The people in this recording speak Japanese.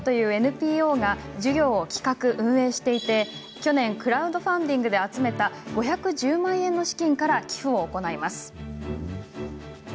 寄付文化を広めようというＮＰＯが授業を企画、運営していて去年、クラウドファンディングで集めた５１０万円の資金から寄付を行います。